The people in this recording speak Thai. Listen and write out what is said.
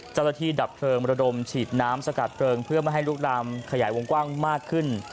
ดับเพลิงระดมฉีดน้ำสกัดเพลิงเพื่อไม่ให้ลุกลามขยายวงกว้างมากขึ้น